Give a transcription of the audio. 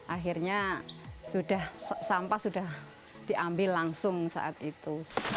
akhirnya sampah sudah diambil langsung saat itu